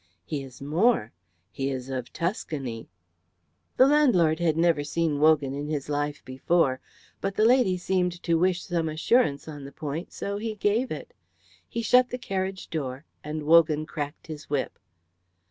"He is more. He is of Tuscany." The landlord had never seen Wogan in his life before, but the lady seemed to wish some assurance on the point, so he gave it. He shut the carriage door, and Wogan cracked his whip.